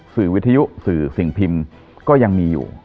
วิทยุสื่อสิ่งพิมพ์ก็ยังมีอยู่